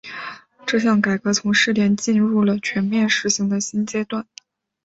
这项改革从试点进入了全面实行的新阶段。